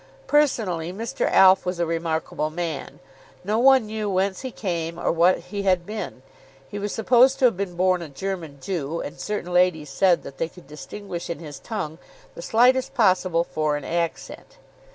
Personally, Mr. Alf was a remarkable man. No one knew whence he came or what he had been. He was supposed to have been born a German Jew; and certain ladies said that they could distinguish in his tongue the slightest possible foreign accent.